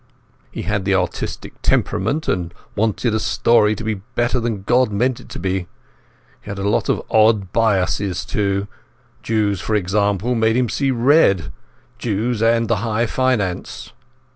He had the artistic temperament, and wanted a story to be better than God meant it to be. He had a lot of odd biases, too. Jews, for example, made him see red. Jews and the high finance.